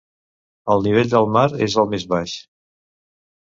El nivell del mar és el més baix.